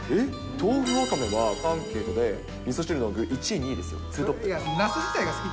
豆腐、ワカメはアンケートで、みそ汁の具、１位、２位ですよ、ツートップ。